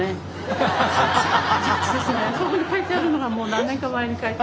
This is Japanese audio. そこに書いてあるのがもう何年か前に書いて。